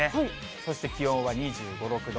そして気温は２５、６度。